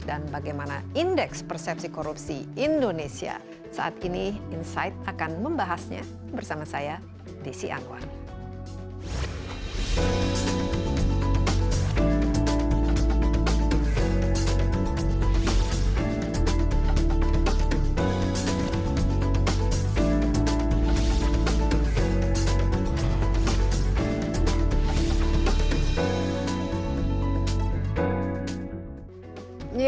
dan bagaimana indeks persepsi korupsi indonesia saat ini insight akan membahasnya bersama saya d c angwan